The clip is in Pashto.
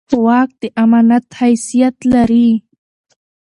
واک د امانت حیثیت لري